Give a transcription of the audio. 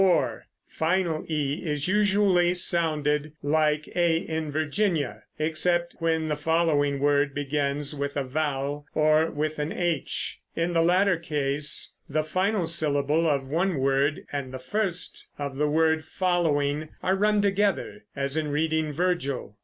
(4) Final e is usually sounded (like a in Virginia) except where the following word begins with a vowel or with h. In the latter case the final syllable of one word and the first of the word following are run together, as in reading Virgil.